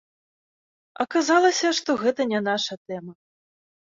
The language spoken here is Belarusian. Аказалася, што гэта не наша тэма.